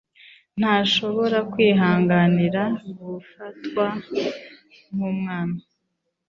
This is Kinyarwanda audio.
Ntashobora kwihanganira gufatwa nkumwana.